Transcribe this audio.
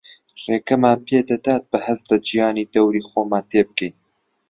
ڕێگامان پێدەدات بە هەست لە جیهانی دەوری خۆمان تێبگەین